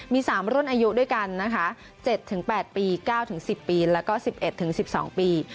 มี๓ร่วมอายุด้วยกัน๗๘ปี๙๑๐ปีแล้วก็๑๑๑๒ปี